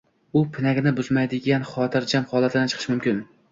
u pinagini buzmaydigan xotirjam holatidan chiqishi mumkin.